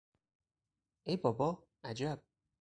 ای بابا!، عجب!